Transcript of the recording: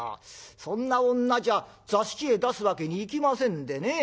そんな女じゃ座敷へ出すわけにいきませんでね。